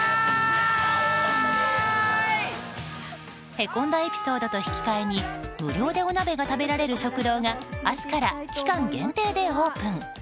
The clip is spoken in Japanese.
へこんだエピソードと引き換えに無料でお鍋が食べられる食堂が明日から期間限定でオープン。